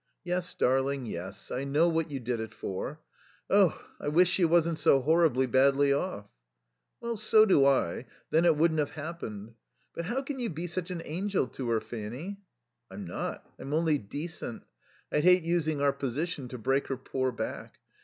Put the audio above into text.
"Yes, darling, yes; I know what you did it for. ... Oh, I wish she wasn't so horribly badly off." "So do I, then it wouldn't have happened. But how can you be such an angel to her, Fanny?" "I'm not. I'm only decent. I hate using our position to break her poor back.